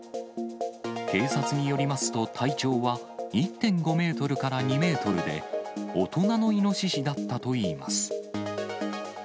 警察によりますと、体長は１．５メートルから２メートルで、大人のイノシシだったといいます。